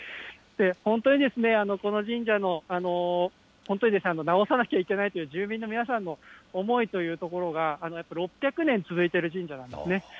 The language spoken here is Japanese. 本当にこの神社の本当にですね、直さなきゃいけないという住民の皆さんの思いというところが、やっぱり６００年続いている神社なんですね。